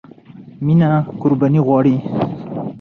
مینه قربانی غواړي.